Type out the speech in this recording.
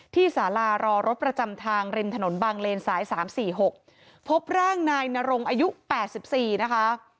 ที่สาลารอรดประจำทางรินถนนบังเลนสายสามสี่หกพบร่างนายนารงอายุแปดสิบสี่นะคะ